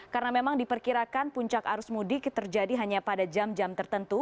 karena memang diperkirakan puncak arus mudik terjadi hanya pada jam jam tertentu